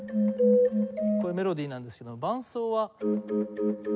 これメロディなんですけど伴奏は。